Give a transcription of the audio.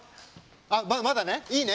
あっまだねいいね？